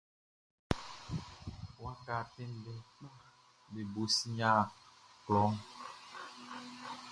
Waka tɛnndɛn kpaʼm be bo sin yia klɔʼn.